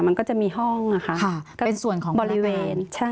มันก็จะมีห้องค่ะบริเวณ